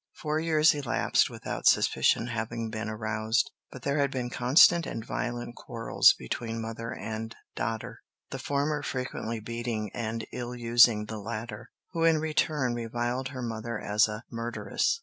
Four years elapsed without suspicion having been aroused, but there had been constant and violent quarrels between mother and daughter, the former frequently beating and ill using the latter, who in return reviled her mother as a murderess.